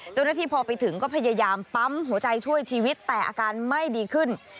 เจ้าหน้าที่พอไปถึงก็พยายามปั๊มหัวใจช่วยชีวิตแต่อาการไม่ดีขึ้น